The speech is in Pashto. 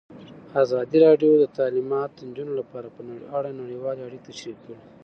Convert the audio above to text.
ازادي راډیو د تعلیمات د نجونو لپاره په اړه نړیوالې اړیکې تشریح کړي.